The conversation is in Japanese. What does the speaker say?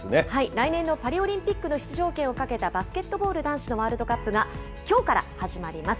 来年のパリオリンピックの出場権をかけたバスケットボール男子のワールドカップが、きょうから始まります。